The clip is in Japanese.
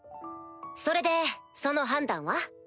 それでその判断は？